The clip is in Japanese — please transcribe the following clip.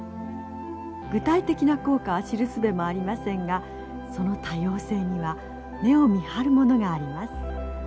具体的な効果は知るすべもありませんがその多様性には目をみはるものがあります。